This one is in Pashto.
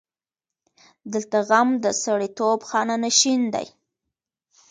دلته غم د سړیتوب خانه نشین دی.